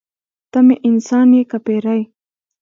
ته مې انسان یې که پیری.